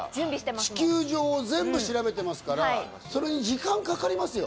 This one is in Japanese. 地球上、全部調べてますから、それに時間がかかりますよ。